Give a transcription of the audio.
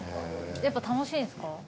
やっぱ楽しいですか？